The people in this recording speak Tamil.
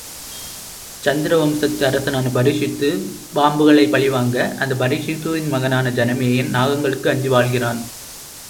சந்திரவம்சத்து அரசனான பரீக்ஷித்து பாம்புகளைப் பழிவாங்க, அந்த பரீஷித்துவின் மகனான ஜனமேஜயன் நாகங்களுக்கு அஞ்சி வாழ்கிறான்.